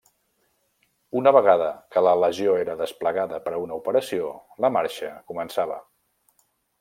Una vegada que la legió era desplegada per una operació, la marxa començava.